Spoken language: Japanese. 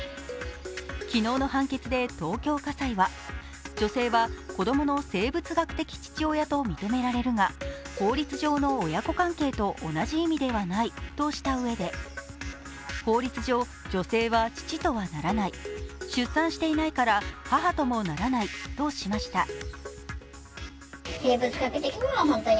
昨日の判決で、東京家裁は女性が子供の生物学的父親と認められるが法律上の親子関係と同じ意味ではないとしたうえで、法律上、女性は父とはならない出産していないから母ともならないとしました。